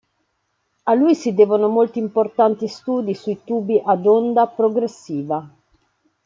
A lui si devono molti importanti studi sui tubi a onda progressiva.